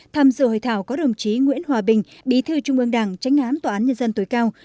tham dự hội thảo có đồng chí nguyễn hòa bình bí thư trung ương đảng tránh án tòa án nhân dân tối cao